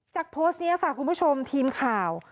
โพสต์นี้ค่ะคุณผู้ชมทีมข่าว